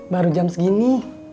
baru jam segini